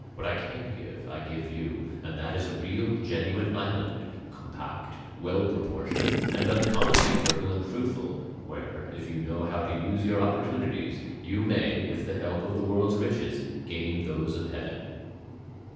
What I can give I give you, and that is a real, genuine island, compact, well proportioned, and uncommonly fertile and fruitful, where, if you know how to use your opportunities, you may, with the help of the world's riches, gain those of heaven."